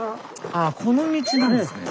ああこの道なんですね。